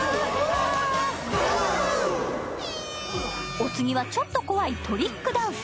お次はちょっと怖い、トリックダンス。